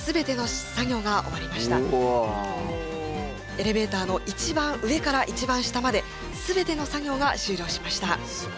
エレベーターの一番上から一番下まで全ての作業が終了しました。